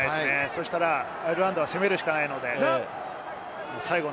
そしたらアイルランドは攻めるしかないので。